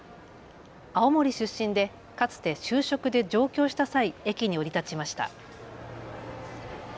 青森出身でかつて就職で上京した際、駅に降り立ちました。